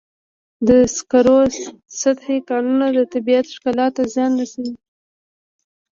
د سکرو سطحي کانونه د طبیعت ښکلا ته زیان رسوي.